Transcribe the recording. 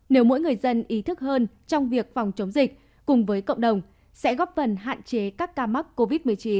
nếu mỗi người dân ý thức hơn trong việc phòng chống dịch cùng với cộng đồng sẽ góp phần hạn chế các ca mắc covid một mươi chín